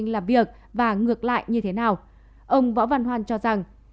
làm việc và ngược lại như thế nào ông võ văn hoan cho rằng